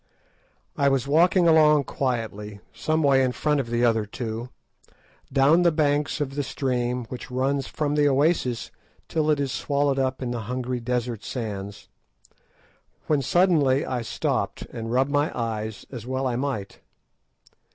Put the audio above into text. I was walking along quietly, some way in front of the other two, down the banks of the stream which runs from the oasis till it is swallowed up in the hungry desert sands, when suddenly I stopped and rubbed my eyes, as well I might.